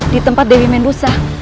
di tempat dewi mendusa